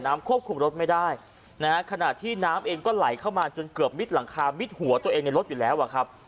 น้ำควบคุมรถไม่ได้ขณะที่น้ำเองก็ไหลเข้ามาจนเกือบมิดหัวตัวเองในรถอยู่แล้วครับ